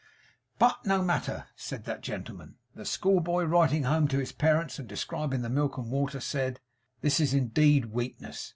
'But no matter!' said that gentleman. 'The school boy writing home to his parents and describing the milk and water, said "This is indeed weakness."